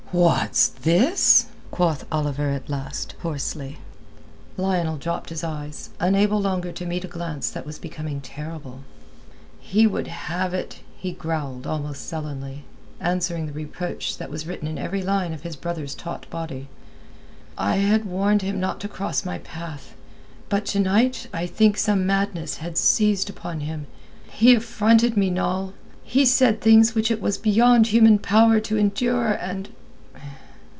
"What's this?" quoth Oliver at last, hoarsely. Lionel dropped his eyes, unable longer to meet a glance that was becoming terrible. "He would have it," he growled almost sullenly, answering the reproach that was written in every line of his brother's taut body. "I had warned him not to cross my path. But to night I think some madness had seized upon him. He affronted me, Noll; he said things which it was beyond human power to endure, and...."